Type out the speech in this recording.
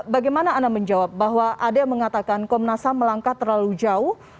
bagaimana anda menjawab bahwa ada yang mengatakan komnas ham melangkah terlalu jauh